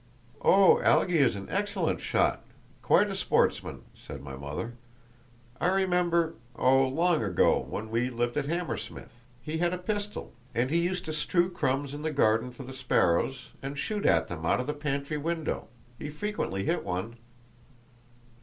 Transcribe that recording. "Oh, Algy is an excellent shot—quite a sportsman," said my mother. "I remember, oh, long ago, when we lived at Hammersmith, he had a pistol, and he used to strew crumbs in the garden for the sparrows, and shoot at them out of the pantry window; he frequently hit one."